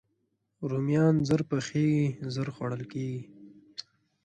رومیان ژر پخېږي، ژر خوړل کېږي